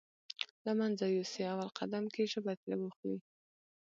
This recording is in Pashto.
له منځه يوسې اول قدم کې ژبه ترې واخلئ.